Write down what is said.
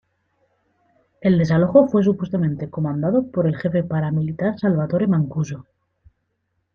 El desalojo fue supuestamente comandado por el jefe paramilitar Salvatore Mancuso.